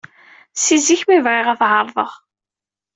Si zik mi bɣiɣ ad t-ɛerḍeɣ.